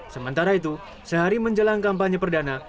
sementara itu sehari menjelang kampanye perdana